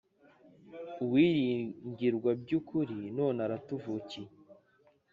uwiringirwa byukuri none aratuvukiye.